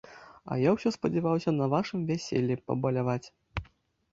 А я ўсё спадзяваўся на вашым вяселлі пабаляваць.